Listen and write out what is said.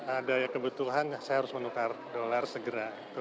ada kebutuhan saya harus menukar dolar segera